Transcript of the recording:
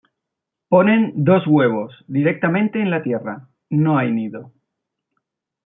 Ponen dos huevos directamente en la tierra, no hay nido.